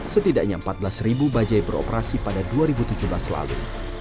setidaknya empat belas bajai beroperasi pada dua ribu tujuh belas lalu